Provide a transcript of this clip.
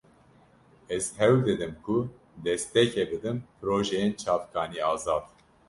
Ez hewl didim ku destekê bidim projeyên çavkanî-azad.